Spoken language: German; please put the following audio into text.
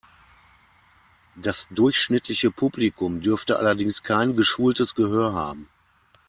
Das durchschnittliche Publikum dürfte allerdings kein geschultes Gehör haben.